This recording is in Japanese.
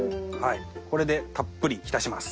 これでたっぷり浸します。